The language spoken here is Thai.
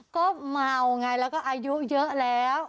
ก็เมาไงแล้วก็อายุเยอะแล้ว